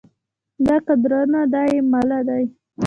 دا کدرونه دا يې مله دي